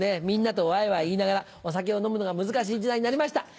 みんなとワイワイ言いながらお酒を飲むのが難しい時代になりました。